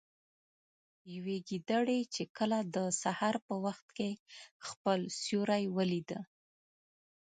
يوې ګيدړې چې کله د سهار په وخت كې خپل سيورى وليده